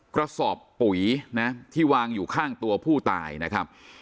กระสอบปุ๋ยนะที่วางอยู่ข้างตัวผู้ตายนะครับ